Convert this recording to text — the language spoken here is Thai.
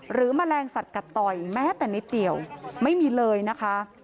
แมลงสัตวกัดต่อยแม้แต่นิดเดียวไม่มีเลยนะคะ